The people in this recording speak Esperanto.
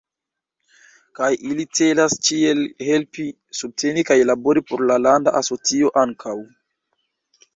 Kaj ili celas ĉiel helpi, subteni kaj labori por la landa asocio ankaŭ.